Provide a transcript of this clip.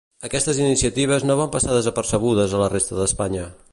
Aquestes iniciatives no van passar desapercebudes a la resta d'Espanya.